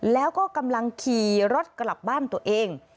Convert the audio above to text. แล้วก็กำลังขี่รถกลับบ้านตัวเอง